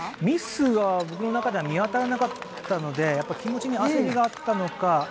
ミスは僕の中では見当たらなかったので気持ちに焦りがあったのか